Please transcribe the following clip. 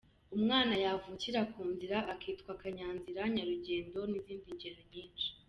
Umwana yavukira ku nzira akitwa”Kanya-nzira, Nyarugendo”n’izindi ngero nyinshi.